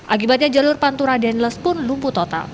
akibatnya jalur pantura dan les pun lumpuh total